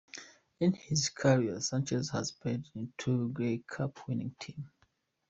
In his career, Sanchez has played on two Grey Cup-winning teams.